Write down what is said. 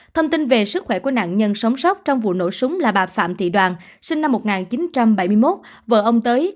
thông tin về sức khỏe của nạn nhân sống sót trong vụ nổ súng là bà phạm thị đoàn sinh năm một nghìn chín trăm bảy mươi một vợ ông tới